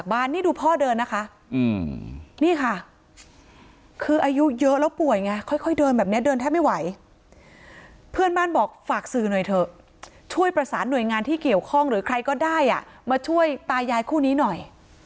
บ้านนี่ดูพ่อเดินนะคะนี่ค่ะคืออายุเยอะแล้วป่วยไงค่อยเดินแบบนี้เดินแทบไม่ไหวเพื่อนบ้านบอกฝากสื่อหน่อยเถอะช่วยประสานหน่วยงานที่เกี่ยวข้องหรือใครก็ได้มาช่วยตายายคู่นี้หน่อย